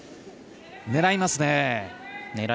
狙いますね。